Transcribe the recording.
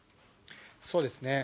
そうですね。